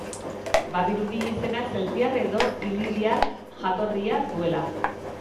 Badirudi izenak zeltiar edo iliriar jatorria duela.